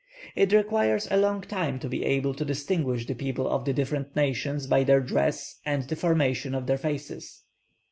It requires a long time to be able to distinguish the people of the different nations by their dress and the formation of their faces.